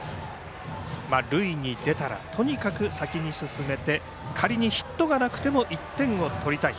塁に出たら、とにかく先に進めて仮にヒットがなくても１点を取りたい。